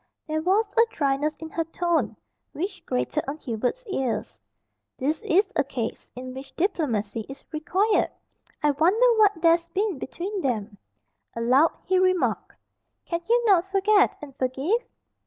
There was a dryness in her tone which grated on Hubert's ears. "This is a case in which diplomacy is required. I wonder what there's been between them." Aloud he remarked, "Can you not forget and forgive?"